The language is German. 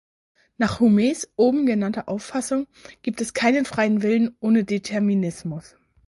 Nach Humes oben genannter Auffassung gibt es keinen freien Willen ohne Determinismus.